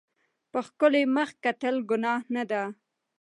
په ښکلي مخ کتل ګناه نه ده.